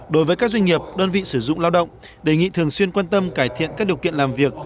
đối với các doanh nghiệp đơn vị sử dụng lao động đề nghị thường xuyên quan tâm cải thiện các điều kiện làm việc